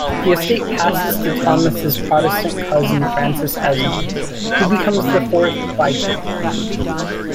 The estate passes to Thomas's Protestant cousin Francis Esmond, who becomes the fourth viscount.